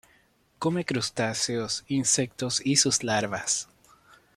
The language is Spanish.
Come crustáceos insectos y sus larvas.